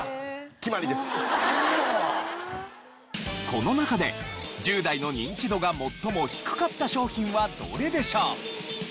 この中で１０代のニンチドが最も低かった商品はどれでしょう？